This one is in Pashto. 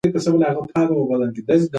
که قید وي نو وخت نه ورکېږي.